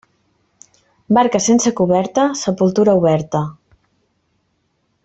Barca sense coberta, sepultura oberta.